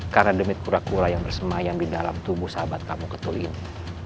karena demi kura kura yang bersemayam di dalam tubuh sahabat kamu ketul ini